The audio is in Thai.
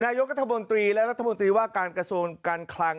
นายกัธมนตรีและรัฐมนตรีว่าการกระทรวงการคลัง